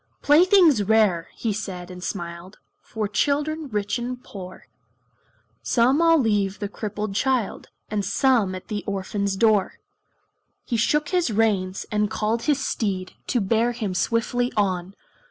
"Playthings rare," he said and smiled, "For children rich and poor; Some I'll leave the crippled child, And some at the orphan's door." He shook his reins, and called his steed To bear him swiftly on.